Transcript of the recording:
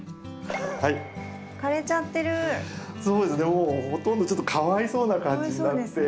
もうほとんどちょっとかわいそうな感じになって。